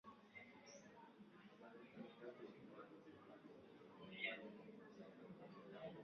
wa kumi na mbili mwaka elfu mbili na kumi na saba ulimrudisha Kibaki kwa